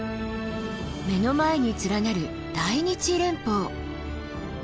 目の前に連なる大日連峰。